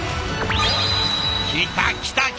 来た来た来た！